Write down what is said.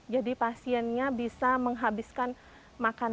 jadi pasiennya bisa menghabiskan makanan